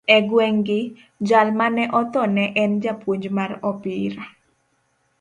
E gweng'gi, jal ma ne otho ne en japuonj mar opira